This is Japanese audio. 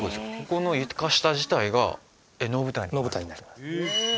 ここの床下自体が能舞台に能舞台になります